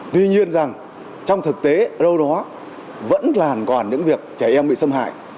tuy nhiên rằng trong thực tế đâu đó vẫn làn còn những việc trẻ em bị xâm hại